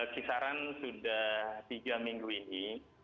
kisaran sudah tiga minggu ini